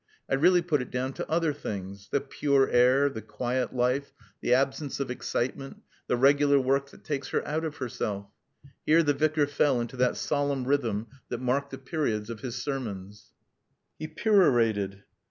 I really put it down to other things the pure air the quiet life the absence of excitement the regular work that takes her out of herself " Here the Vicar fell into that solemn rhythm that marked the periods of his sermons. He perorated.